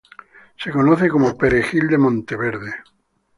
Se conoce como "perejil de monteverde".